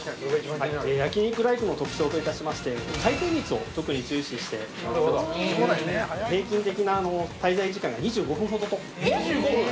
◆焼肉ライクの特徴といたしまして回転率を特に重視して平均的な滞在時間が２５分ほどと。